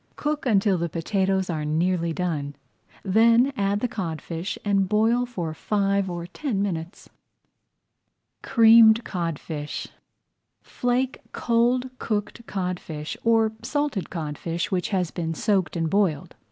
Cook until the potatoes are nearly done, then add the codfish and boil for five or ten minutes. CREAMED CODFISH Flake cold cooked codfish, or salted codfish which has been soaked and boiled.